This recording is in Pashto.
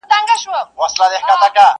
پاچاهان نه د چا وروڼه نه خپلوان دي!!